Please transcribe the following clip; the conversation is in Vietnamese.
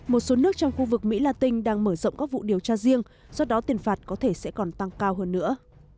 một số nước trong khu vực mỹ la tinh đang mở rộng các vụ điều tra riêng do đó tiền phạt có thể sẽ còn tăng cao hơn nữa